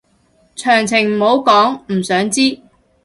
詳情唔好講，唔想知